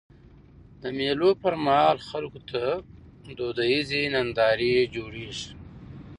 د مېلو پر مهال خلکو ته دودیزي نندارې جوړيږي.